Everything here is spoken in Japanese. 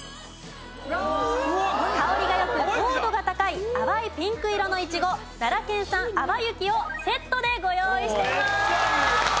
香りが良く糖度が高い淡いピンク色のいちご奈良県産淡雪をセットでご用意しています。